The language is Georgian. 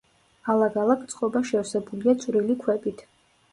ალაგ-ალაგ წყობა შევსებულია წვრილი ქვებით.